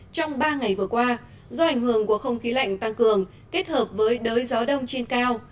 trong ba ngày vừa qua do ảnh hưởng của không khí lạnh tăng cường kết hợp với đới gió đông trên cao